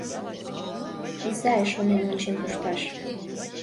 Изай шонен ончен кушташ: